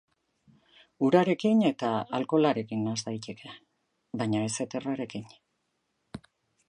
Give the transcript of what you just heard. Urarekin eta alkoholarekin nahas daiteke, baina ez eterrarekin.